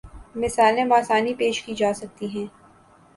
مثالیں باآسانی پیش کی جا سکتی ہیں